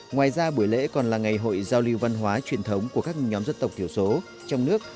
ngoài ra buổi lễ còn là ngày hội giao lưu văn hóa truyền thống của các nhóm dân tộc thiểu số trong nước